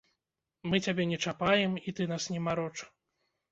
Мы цябе не чапаем, і ты нас не мароч.